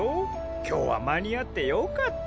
今日は間に合ってよかった。